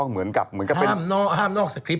เหมือนกับเป็นเป็นแท้นห้ามนอกสกริป